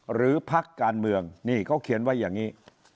พักการเมืองนี่เขาเขียนไว้อย่างนี้